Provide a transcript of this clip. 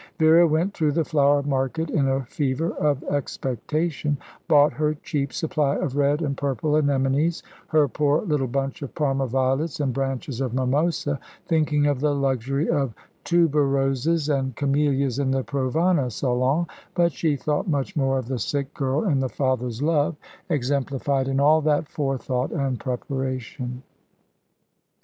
Vera went to the flower market in a fever of expectation, bought her cheap supply of red and purple anemones, her poor little bunch of Parma violets and branches of mimosa, thinking of the luxury of tuberoses and camellias in the Provana salon, but she thought much more of the sick girl, and the father's love, exemplified in all that forethought and preparation.